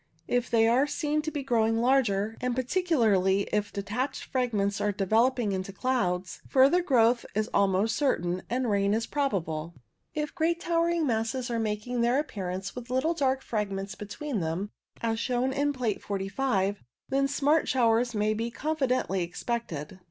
If they are seen to be growing larger, and particularly if de tached fragments are developing into clouds, further growth is almost certain, and rain is probable. If great towering masses are making their appearance with little dark fragments between them, as shown in Plate 45, then smart showers may be confidently expected.